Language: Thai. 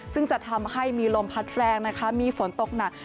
ซึ่งจะทำให้มีลมพัดแรงนะคะมีฝนตกหนัก